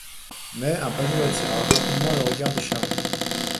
Mais un panneau attira rapidement le regard de Charlie.